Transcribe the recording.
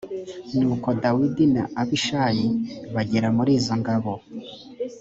nuko dawidi na abishayi bagera muri izo ngabo